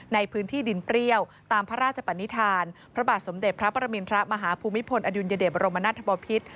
ในพื้นที่ดินเปรี้ยวตามพระราชปนิษฐานพระบาทสมเด็จพระประมินทรมาฮภูมิพลอดุลยเดชบรมนาธบพิษ